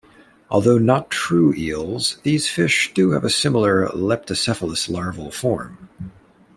Although not true eels, these fish do have a similar leptocephalus larval form.